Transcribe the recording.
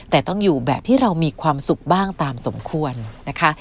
แต่ต้องอยู่แบบที่เรามีความสุขบ้างตามสมควรนะคะ